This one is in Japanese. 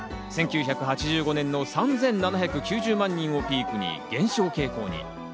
１９８５年の３７９０万人をピークに減少傾向に。